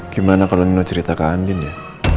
gimana kalau nino ceritakan andin ya